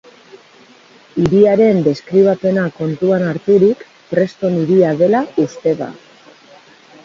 Hiriaren deskribapena kontutan harturik, Preston hiria dela uste da.